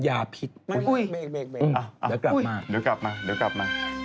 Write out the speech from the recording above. ที่กำลังเสริม